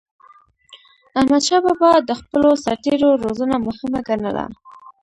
احمدشاه بابا د خپلو سرتېرو روزنه مهمه ګڼله.